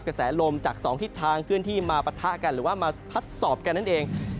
กระแสลมจาก๒ทิศทางเคลื่อนที่มาปะทะกันหรือว่ามาพัดสอบกันนั่นเอง